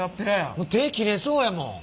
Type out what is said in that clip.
手切れそうやもん。